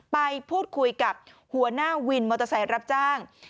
ไปพูดคุยกับหัวหน้าวินมอเตอร์ไซค์รับจ้าง